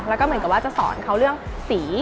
แล้วก็เหมือนกับว่าจะสอนเขาเรื่องสี